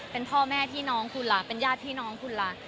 เป็นพ่อแม่พี่น้องคุณล่ะเป็นญาติพี่น้องคุณล่ะ